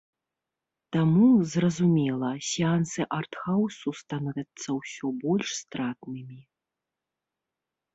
Таму, зразумела, сеансы арт-хаўсу становяцца ўсё больш стратнымі.